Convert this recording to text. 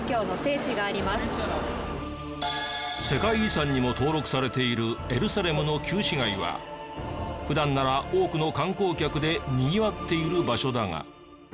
世界遺産にも登録されているエルサレムの旧市街は普段なら多くの観光客でにぎわっている場所だが。